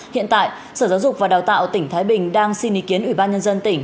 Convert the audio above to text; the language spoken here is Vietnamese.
hiện tại sở giáo dục và đào tạo tỉnh thái bình đang xin ý kiến ủy ban nhân dân tỉnh